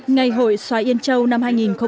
ngày hội xoài yên châu năm hai nghìn một mươi chín